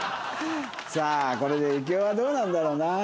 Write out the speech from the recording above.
さあこれで行雄はどうなんだろうな？